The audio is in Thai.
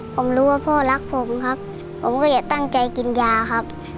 ผมรู้ว่าพ่อรักผมครับผมก็อย่าตั้งใจกินยาครับ